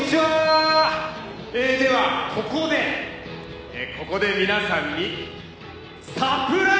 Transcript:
「ではここでここで皆さんにサプライズです！」